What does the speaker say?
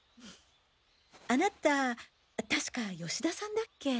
あなたたしか吉田さんだっけ？